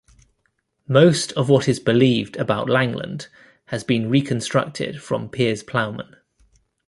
Most of what is believed about Langland has been reconstructed from "Piers Plowman".